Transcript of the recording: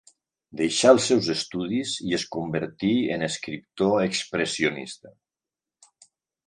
Deixà els seus estudis i es convertí en escriptor expressionista.